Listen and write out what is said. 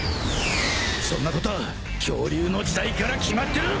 そんなことは恐竜の時代から決まってる！